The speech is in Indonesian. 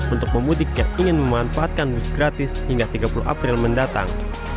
untuk pemudik yang ingin memanfaatkan bus gratis hingga tiga puluh april mendatang